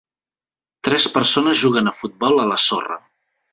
Tres persones juguen a futbol a la sorra.